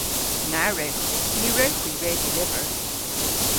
Na wrewgh. Ny wrewgh hwi redya lyver.